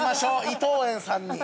伊藤園さんに。